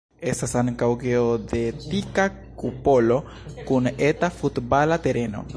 Estas ankaŭ geodetika kupolo kun eta futbala tereno.